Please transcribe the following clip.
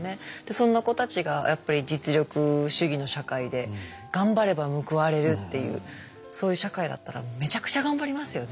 そんな子たちがやっぱり実力主義の社会で頑張れば報われるっていうそういう社会だったらめちゃくちゃ頑張りますよね。